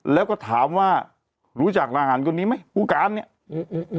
แล้วก็ถามว่ารู้จักทหารคนนี้ไหมผู้การเนี้ยอืม